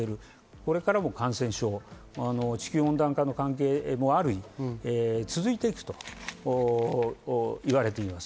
これからも地球温暖化の関係もあり続いて行くと言われています。